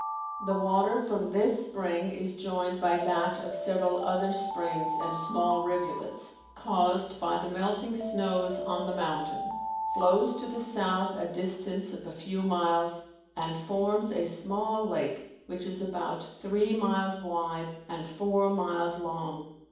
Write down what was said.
The water from this spring is joined by that of several other springs and small rivulets caused by the melting snows on the mountain, flows to the south a distance of a few miles, and forms a small lake which is about three miles wide and four miles long.